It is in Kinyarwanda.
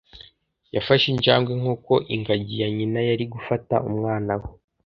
Yafashe injangwe nkuko ingagi ya nyina yari gufata umwana we.